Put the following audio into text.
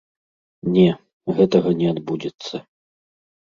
Не, гэтага не адбудзецца.